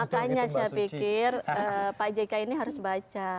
makanya saya pikir pak jk ini harus baca